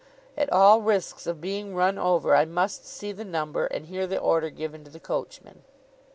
At all risks of being run over, I must see the number, and hear the order given to the coachman.